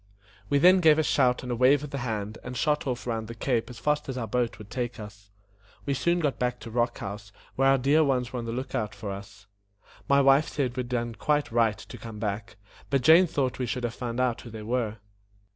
We then gave a shout and a wave of the hand, and shot off round the cape as fast as our boat would take us. We soon got back to Rock House, where our dear ones were on the look out for us. My wife said we had done quite right to come back, but Jane thought we should have found out who they were.